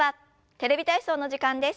「テレビ体操」の時間です。